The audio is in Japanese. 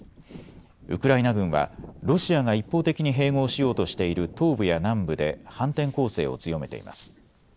ウクライナ軍はロシアが一方的に併合しようとしている東部や南部で反転攻勢を強めています。